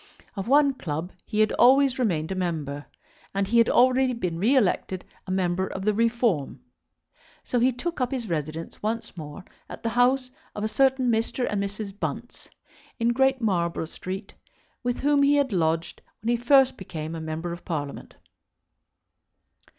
Of one club he had always remained a member, and he had already been re elected a member of the Reform. So he took up his residence once more at the house of a certain Mr. and Mrs. Bunce, in Great Marlborough Street, with whom he had lodged when he first became a member of Parliament.